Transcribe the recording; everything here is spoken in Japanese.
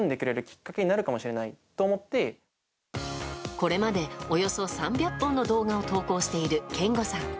これまでおよそ３００本の動画を投稿している、けんごさん。